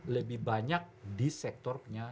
lebih banyak di sektor